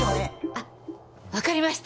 あっ分かりました。